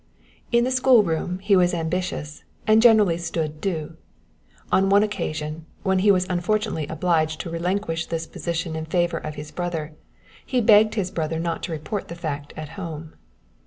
In the schoolroom he was ambitious and generally stood "dux." On one occasion, when he was unfortunately obliged to relinquish this position in favor of his brother, he begged his brother not to report the fact at home.